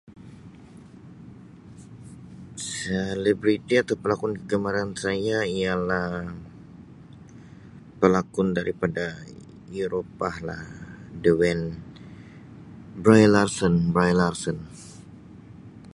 Selebriti atau pelakon kegemaran saya ialah pelakon daripada Eropah lah Dwayne - Brie Larson, Brie Larson.